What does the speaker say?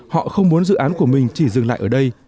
họ không muốn dự án của mình chỉ dừng lại ở đây